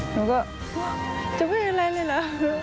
หนูก็จะไม่อะไรเลยเหรอ